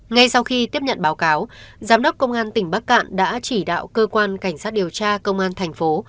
ngay sau khi tiếp nhận báo cáo giám đốc công an tỉnh bắc cạn đã chỉ đạo cơ quan cảnh sát điều tra công an thành phố